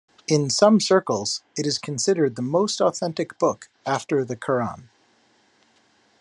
In some circles, it is considered the most authentic book after the Quran.